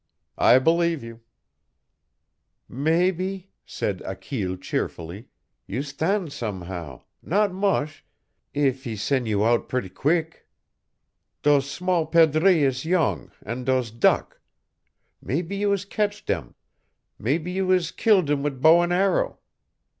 "I believe you." "Maybee," said Achille cheerfully, "you stan' some show not moche eef he sen' you out pret' queeck. Does small perdrix is yonge, an' dose duck. Maybee you is catch dem, maybee you is keel dem wit' bow an' arrow.